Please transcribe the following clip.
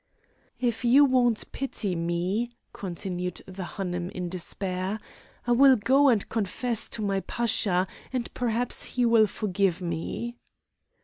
"If you won't pity me," continued the Hanoum, in despair, "I will go and confess to my Pasha, and perhaps he will forgive me."